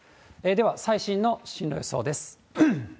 では、最新の進路予想です。